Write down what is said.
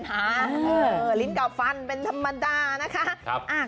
ลิ้นกับฟันเป็นธรรมดานะคะ